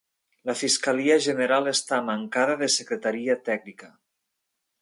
La Fiscalia General està mancada de secretaria tècnica.